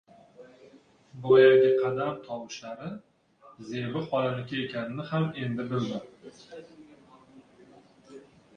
Boyagi qadam tovushlari Zebi xolaniki ekanini ham endi bildim.